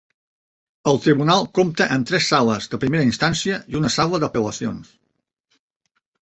El Tribunal compta amb tres Sales de Primera Instància i una Sala d'Apel·lacions.